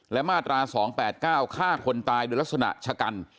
และมาตรา๒๘๙ฆ่าคนตายโดยลักษณะชะกัน